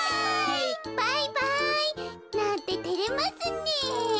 バイバイなんててれますねえ。